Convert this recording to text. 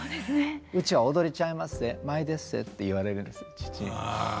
「うちは踊りちゃいまっせ舞でっせ」って言われるんです父に。